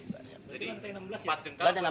jadi lantai enam belas ya